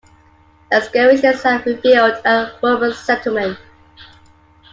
Excavations have revealed a Roman settlement.